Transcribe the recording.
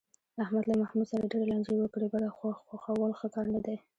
احمد له محمود سره ډېرې لانجې وکړې، بده خوښول ښه کار نه دی.